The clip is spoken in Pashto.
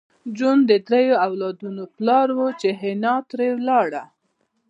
جون د دریو اولادونو پلار و چې حنا ترې لاړه